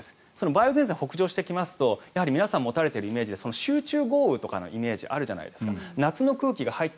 梅雨前線が北上してきますと皆さんが持たれている集中豪雨とかのイメージがあるじゃないですか。